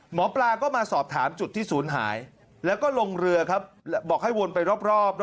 หมอปลาก็มาสอบถามจุดที่ศูนย์หายแล้วก็ลงเรือครับบอกให้วนไปรอบ